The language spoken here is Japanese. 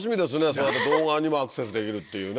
そうやって動画にもアクセスできるっていうね。